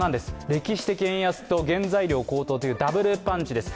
歴史的円安と原材料高騰というダブルパンチです。